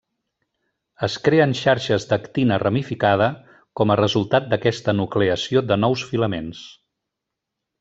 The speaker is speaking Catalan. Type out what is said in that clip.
Es creen xarxes d'actina ramificada com a resultat d'aquesta nucleació de nous filaments.